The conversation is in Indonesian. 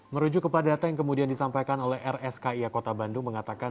merujuk kepada data yang kemudian disampaikan oleh rskia kota bandung mengatakan